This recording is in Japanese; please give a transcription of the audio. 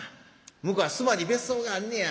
向こうは須磨に別荘があんねや。